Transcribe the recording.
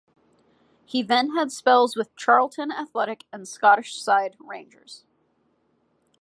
He then had spells with Charlton Athletic and Scottish side Rangers.